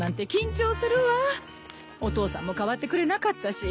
お父さんも代わってくれなかったし。